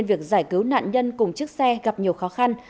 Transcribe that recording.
việc giải cứu nạn nhân cùng chiếc xe gặp nhiều khó khăn